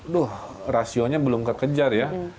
duh rasionya belum kekejar ya